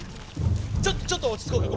ちょちょっと落ち着こうか。